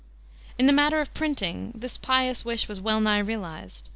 In the matter of printing, this pious wish was well nigh realized.